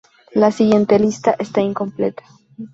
La siguiente lista está incompleta.